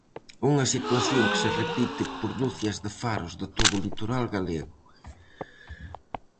Unha situación que se repite por ducias de faros de todo o litoral galego.